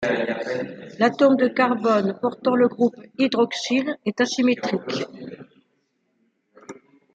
L'atome de carbone portant le groupe hydroxyle est asymétrique.